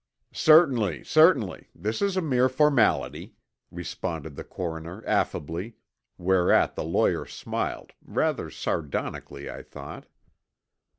"Certainly, certainly. This is a mere formality," responded the coroner affably, whereat the lawyer smiled, rather sardonically, I thought.